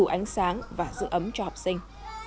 ánh sáng và giữ ấm cho học sinh